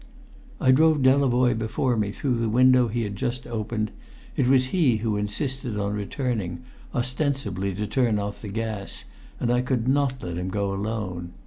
I drove Delavoye before me through the window he had just opened; it was he who insisted on returning, ostensibly to turn off the gas, and I could not let him go alone.